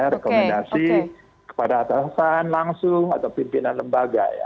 rekomendasi kepada atasan langsung atau pimpinan lembaga ya